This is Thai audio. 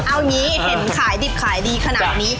เอาอย่างนี้เห็นขายดิบขายดีขนาดนี้